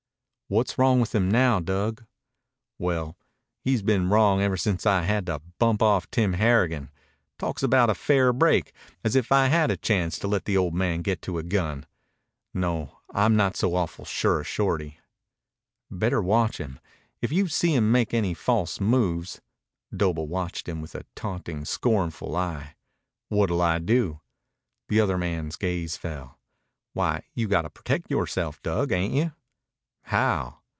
"What's wrong with him now, Dug?" "Well, he's been wrong ever since I had to bump off Tim Harrigan. Talks about a fair break. As if I had a chance to let the old man get to a gun. No, I'm not so awful sure of Shorty." "Better watch him. If you see him make any false moves " Doble watched him with a taunting, scornful eye. "What'll I do?" The other man's gaze fell. "Why, you got to protect yoreself, Dug, ain't you?" "How?"